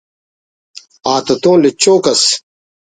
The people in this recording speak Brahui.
آتتون لچوک ئس